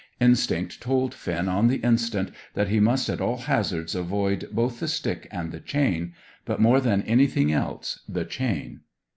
Instinct told Finn on the instant that he must at all hazards avoid both the stick and the chain; but, more than anything else, the chain.